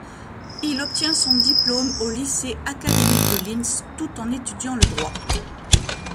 Il obtient son diplôme au lycée académique de Linz, tout en étudiant le droit.